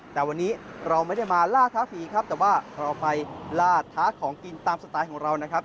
แต่วันนี้เราไม่ได้มาล่าท้าฝีครับแต่ว่าเราไปล่าท้าของกินตามสไตล์ของเรานะครับ